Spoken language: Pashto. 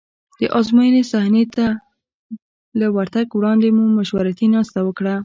د ازموینې صحنې ته له ورتګ وړاندې مو مشورتي ناسته وکړه.